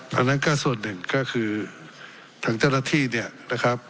อันนั้นก็ส่วนหนึ่งก็คือทางเจ้าหน้าที่เนี่ยนะครับ